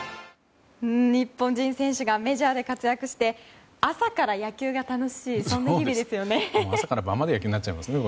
日本人選手がメジャーで活躍して朝から野球が楽しいそんな日々ですよね。